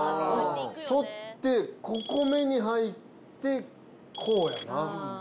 取って、ここ目に入って、こうやな。